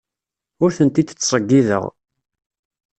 Ur tent-id-ttṣeyyideɣ.